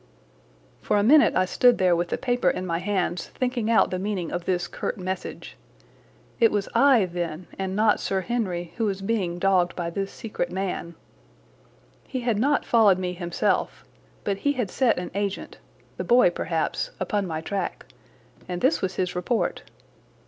For a minute I stood there with the paper in my hands thinking out the meaning of this curt message. It was I, then, and not Sir Henry, who was being dogged by this secret man. He had not followed me himself, but he had set an agent—the boy, perhaps—upon my track, and this was his report.